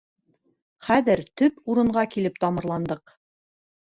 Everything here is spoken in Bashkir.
Хәҙер төп урынға килеп тамырландыҡ.